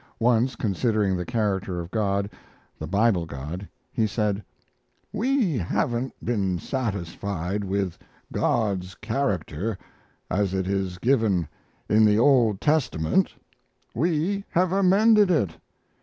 Once, considering the character of God the Bible God he said: "We haven't been satisfied with God's character as it is given in the Old Testament; we have amended it.